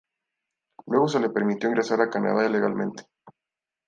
Luego se le permitió ingresar a Canadá legalmente.